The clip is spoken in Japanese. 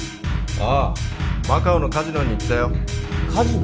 ああマカオのカジノに行ったよカジノ？